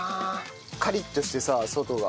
カリッとしてさ外が。